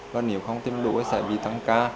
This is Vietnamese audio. và nếu không tìm đủ thì sẽ bị tăng ca